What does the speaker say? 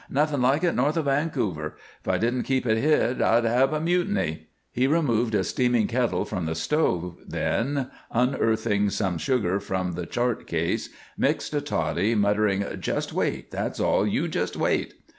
"Nothing like it north of Vancouver. If I didn't keep it hid I'd have a mutiny." He removed a steaming kettle from the stove, then, unearthing some sugar from the chart case, mixed a toddy, muttering: "Just wait, that's all. You just wait!"